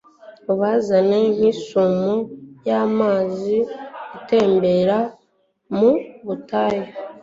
ubazane nk’isumo y’amazi atembera mu butayu